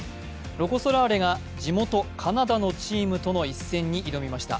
ロコ・ソラーレが地元・カナダのチームとの一戦に挑みました。